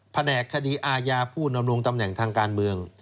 แผนกคดีอาญาผู้นำลงตำแหน่งทางการเมือง